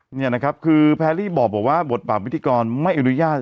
นี่นะครับคือแพรรี่บอกว่าบทบาทพิธีกรไม่อนุญาต